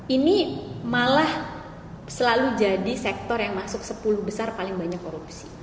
ini malah selalu jadi sektor yang masuk sepuluh besar paling banyak korupsi